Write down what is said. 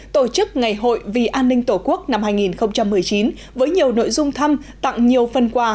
tổ chức ngày hội vì an ninh tổ quốc năm hai nghìn một mươi chín với nhiều nội dung thăm tặng nhiều phần quà